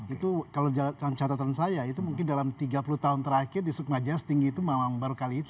itu kalau dalam catatan saya itu mungkin dalam tiga puluh tahun terakhir di sukmaja setinggi itu memang baru kali itu